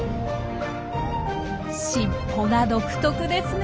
尻尾が独特ですねえ。